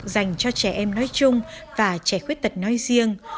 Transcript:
dành cho trẻ em nói chung và trẻ khuyết tật nói riêng